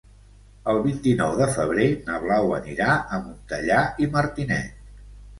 El vint-i-nou de febrer na Blau anirà a Montellà i Martinet.